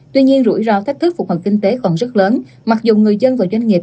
tuy nhiên rủi ro thách thức phục hồi kinh tế còn rất lớn mặc dù người dân và doanh nghiệp